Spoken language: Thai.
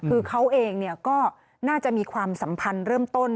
คือเขาเองก็น่าจะมีความสัมพันธ์เริ่มต้น